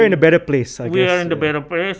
kita berada di tempat yang lebih baik